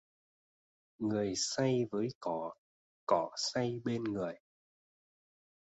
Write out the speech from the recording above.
Người say với cỏ, cỏ say bên người!